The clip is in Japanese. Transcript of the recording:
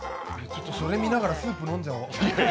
それ見ながらスープ飲んじゃおう。